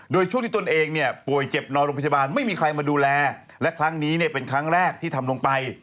โดยช่วงที่ตนเองเนี่ยป่วยเจ็บนอนโรงพยาบาลไม่มีใครมาดูแลและครั้งนี้เนี่ยเป็นครั้งแรกที่ทำลงไป